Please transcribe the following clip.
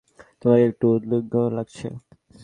তোমাকে একটু উদ্বিগ্ন লাগছে।